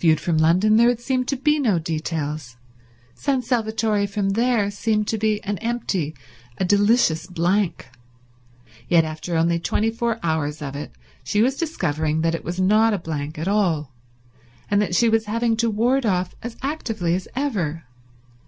Viewed from London there had seemed to be no details. San Salvatore from there seemed to be an empty, a delicious blank. Yet, after only twenty four hours of it, she was discovering that it was not a blank at all, and that she was having to ward off as actively as ever.